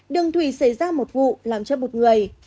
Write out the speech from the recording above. đường thủy xảy ra một vụ làm chết một người